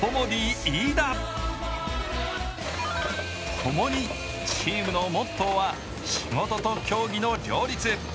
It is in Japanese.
ともにチームのモットーは仕事と競技の両立。